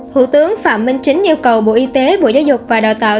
thủ tướng phạm minh chính yêu cầu bộ y tế bộ giáo dục và đào tạo